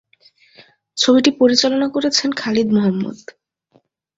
ছবিটি পরিচালনা করেছেন খালিদ মোহাম্মদ।